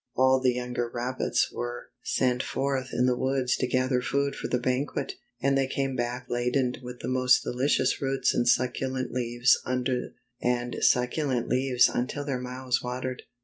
All the younger rabbits were sent forth in the woods to gather food for the banquet, and they came back laden with the most delicious roots and succulent leaves until their mouths watered.